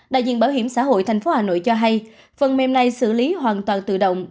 đại diện bảo hiểm xã hội tp hà nội cho hay phần mềm này xử lý hoàn toàn tự động